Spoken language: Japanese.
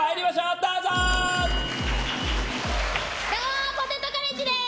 どうも、ポテトカレッジです！